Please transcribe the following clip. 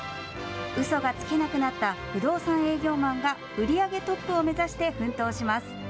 うそがつけなくなった不動産営業マンが売り上げトップを目指して奮闘します。